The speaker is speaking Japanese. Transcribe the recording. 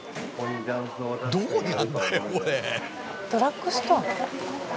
ドラッグストア？